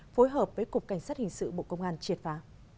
phối hợp với cục cảnh sát hình sự bộ công an triệt phá